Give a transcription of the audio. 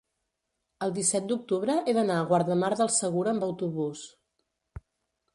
El disset d'octubre he d'anar a Guardamar del Segura amb autobús.